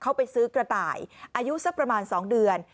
เขาไปซื้อกระต่ายอายุสักประมาณ๒เดือน